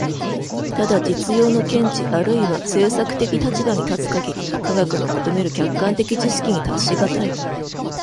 ただ実用の見地あるいは政策的立場に立つ限り、科学の求める客観的知識に達し難い。